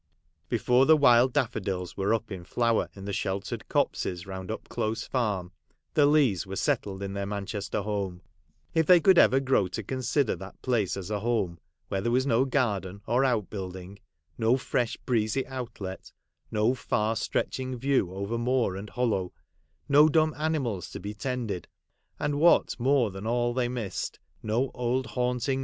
Before the wild daffodils were in flower in the sheltered copses round Upclose Farm, the Leighs were settled in their Manchester home ; if they could ever grow to consider that place as a home, where there was no garden, or outbuilding, no fresh breezy outlet, no far stretching view, over moor and hollow, — no dumb animals to be tended, and, what more than all they missed, no old haunting Charles Dickens.] LIZZIE LEIGH.